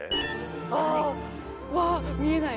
ああわあ見えない。